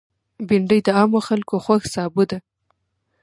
بېنډۍ د عامو خلکو خوښ سابه ده